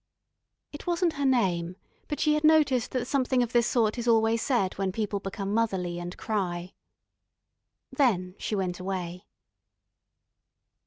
It wasn't her name, but she had noticed that something of this sort is always said when people become motherly and cry. Then she went away.